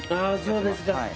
そうですか。